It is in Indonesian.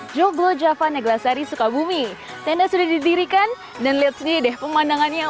joglo javanegla sari sukabumi tenda sudah didirikan dan lihat sini deh pemandangannya